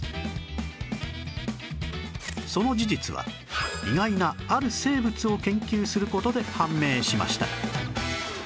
その事実は意外なある生物を研究する事で判明しました